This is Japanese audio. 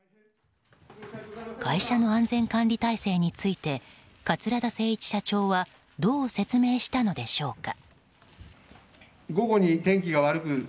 会社の安全管理体制について桂田精一社長はどう説明したのでしょうか。